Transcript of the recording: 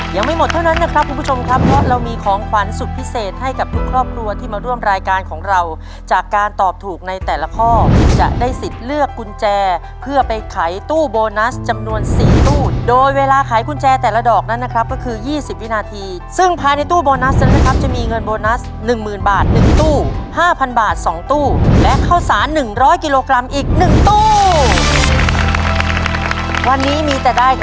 ยังไม่หมดเท่านั้นนะครับคุณผู้ชมครับเพราะเรามีของขวัญสุดพิเศษให้ทุกครอบครัวที่มาร่วมรายการของเราจากการตอบถูกในแต่ละข้อจะได้สิทธิ์เลือกกุญแจเพื่อไปขายตู้โบนัสจำนวน๔ตู้โดยเวลาขายกุญแจแต่ละดอกนั้นก็คือ๒๐วินาทีซึ่งภายในตู้โบนัสจะมีเงินโบนัส๑๐๐๐๐บาท๑ตู้๕๐๐๐บาท๒ตู้และเข้